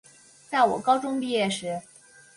在我高中毕业时